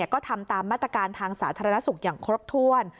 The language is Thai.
ก็ทำตามมาตรการทางสาธารณสุขอย่างครบถ้วน